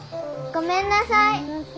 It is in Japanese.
ごめんなさい。